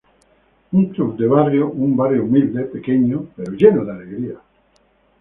Un club de barrio, un barrio humilde, pequeño, pero lleno de alegría.